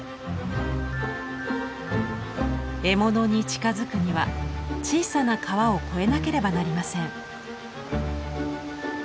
獲物に近づくには小さな川を越えなければなりません。